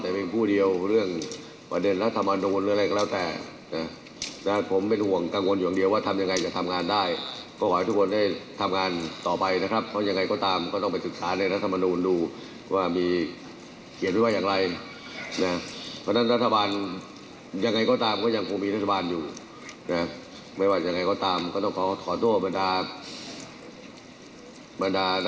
ไม่ว่าจะยังไงก็ตามก็ต้องขอโทษบรรดารัฐมนตรีด้วยนะครับ